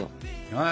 はい。